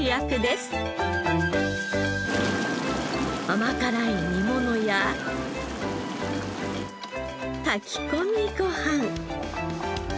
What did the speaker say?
甘辛い煮物や炊き込みご飯。